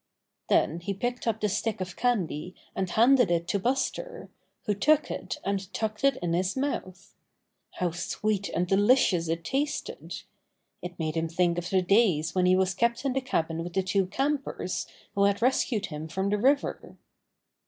Then he picked up the stick of candy and handed it to Buster, who took it and tucked it in his mouth. How sweet and de licious it tasted! It made him think of the days when he was kept in the cabin with the two campers who had rescued him from the river.